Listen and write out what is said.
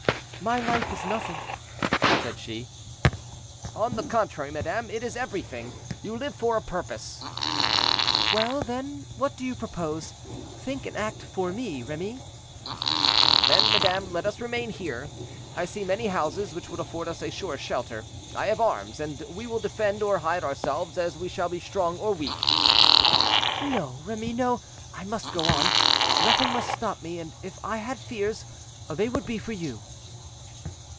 "My life is nothing," said she. "On the contrary, madame, it is everything. You live for a purpose." "Well, then, what do you propose? Think and act for me, Remy." "Then, madame, let us remain here. I see many houses which would afford us a sure shelter. I have arms, and we will defend or hide ourselves, as we shall be strong or weak." "No, Remy, no, I must go on; nothing must stop me; and if I had fears, they would be for you."